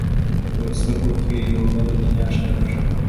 په سترګو کې یې یوه بله دنیا ښکاره شوه.